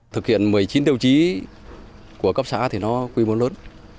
thực hiện một mươi chín tiêu chí của cấp xã thì nó quy mô lớn